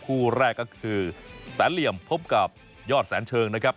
คู่แรกก็คือแสนเหลี่ยมพบกับยอดแสนเชิงนะครับ